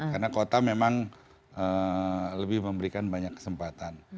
karena kota memang lebih memberikan banyak kesempatan